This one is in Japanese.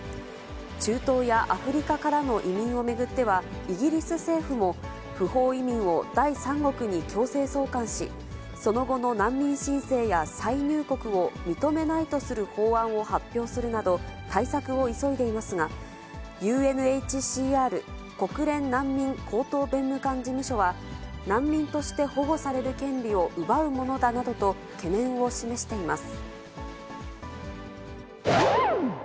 中東やアフリカからの移民を巡っては、イギリス政府も、不法移民を第三国に強制送還し、その後の難民申請や再入国を認めないとする法案を発表するなど、対策を急いでいますが、ＵＮＨＣＲ・国連難民高等弁務官事務所は、難民として保護される権利を奪うものだなどと、懸念を示しています。